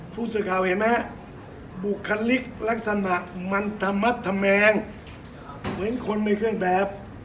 พูดสักคราวเห็นไหมบุคลิกลักษณะมันทะมัดทะแมงเหมือนคนไม่เครื่องแบบ